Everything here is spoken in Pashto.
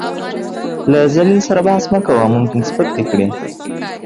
له ذليل سره بحث مه کوه ، ممکن سپک دې کړي .